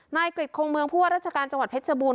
นายกริจคงเมืองผู้ว่าราชการจังหวัดเพชรบูร